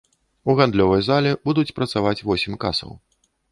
У гандлёвай зале будуць працаваць восем касаў.